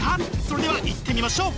それではいってみましょう！